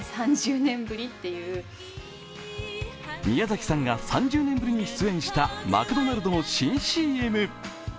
宮崎さんが３０年ぶりに出演したマクドナルドの新ＣＭ。